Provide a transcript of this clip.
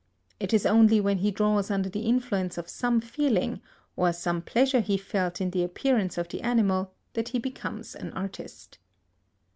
It is only when he draws under the influence of some feeling, of some pleasure he felt in the appearance of the animal, that he becomes an artist.